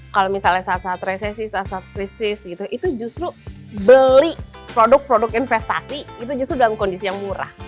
kalau misalnya saat saat resesi saat saat krisis gitu itu justru beli produk produk investasi itu justru dalam kondisi yang murah